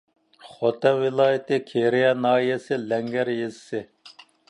خوتەن ۋىلايىتى كېرىيە ناھىيەسى لەڭگەر يېزىسى